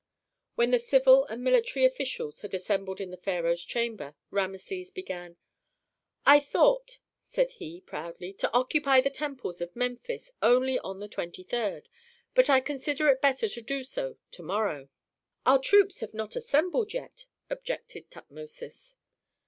When the civil and military officials had assembled in the pharaoh's chamber Rameses began, "I thought," said he, proudly, "to occupy the temples of Memphis only on the 23d, but I consider it better to do so to morrow." "Our troops have not assembled yet," objected Tutmosis.